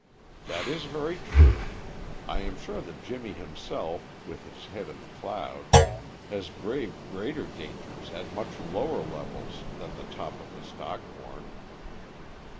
"That is very true. I am sure that Jimmy himself, with his head in the clouds, has braved greater dangers at much lower levels than the top of the Stockhorn."